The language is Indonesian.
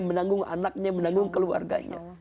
menanggung anaknya menanggung keluarganya